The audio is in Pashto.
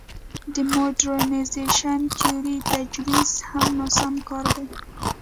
د موډرنیزېشن تیورۍ تجویز هم ناسم کار دی.